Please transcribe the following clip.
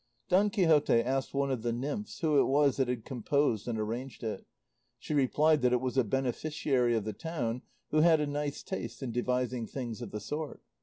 Don Quixote asked one of the nymphs who it was that had composed and arranged it. She replied that it was a beneficiary of the town who had a nice taste in devising things of the sort.